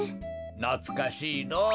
なつかしいのぉ。